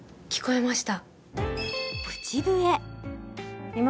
聞こえました